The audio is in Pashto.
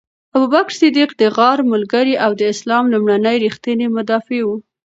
ابوبکر صدیق د غار ملګری او د اسلام لومړنی ریښتینی مدافع و.